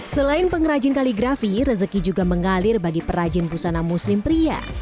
selain pengrajin kaligrafi rezeki juga mengalir bagi perajin busana muslim pria